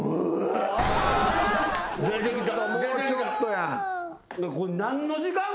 もうちょっとや。